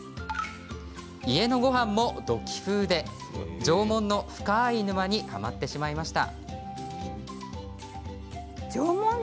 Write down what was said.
家のごはんも、土器風で。縄文の深い沼にハマってしまいました。